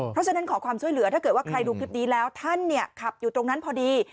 เพราะฉะนั้นขอความช่วยเหลือถ้าเกิดว่าใครดูคลิปนี้แล้วท่านขับอยู่ตรงนั้นพอดี